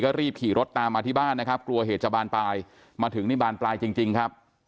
รีบขี่รถตามมาที่บ้านนะครับกลัวเหตุจะบานปลายมาถึงนี่บานปลายจริงครับ